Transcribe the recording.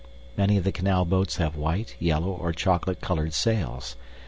Many of the canal boats have white, yellow, or chocolate colored sails.